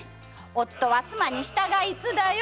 「夫は妻に従いつ」だよ！